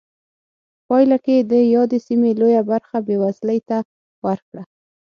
پایله کې یې د یادې سیمې لویه برخه بېوزلۍ ته ورکړه.